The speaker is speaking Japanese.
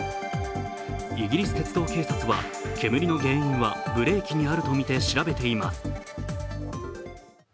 イギリス鉄道警察は煙の原因はブレーキにあるとみて調べています。